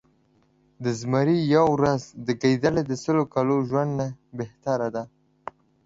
د زمري يؤه ورځ د ګیدړ د سلو کالو د ژؤند نه بهتره ده